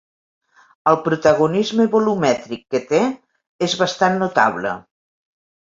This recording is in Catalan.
El protagonisme volumètric que té és bastant notable.